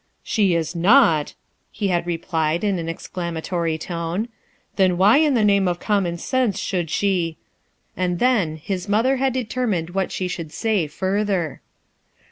"She is not 1" he had replied in an exclama tory tone. " Then why in the name of common sense should she/' — and then, his mother had determined what she would say further.